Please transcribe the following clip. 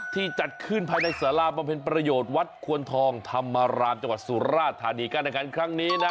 จัดขึ้นภายในสาราบำเพ็ญประโยชน์วัดควรทองธรรมรามจังหวัดสุราธานีการแข่งขันครั้งนี้นะ